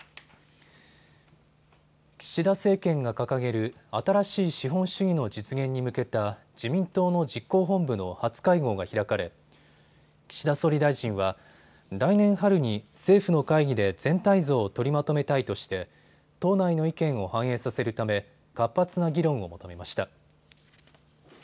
岸田政権が掲げる新しい資本主義の実現に向けた自民党の実行本部の初会合が開かれ岸田総理大臣は来年春に政府の会議で全体像を取りまとめたいとして党内の意見を反映させるため活発な議論を求めました。